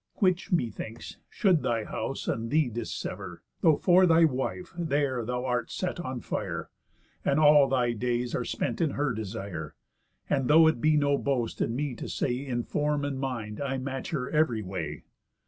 Which, methinks, should thy house and thee dissever, Though for thy wife there thou art set on fire, And all thy days are spent in her desire; And though it be no boast in me to say In form and mind I match her ev'ry way.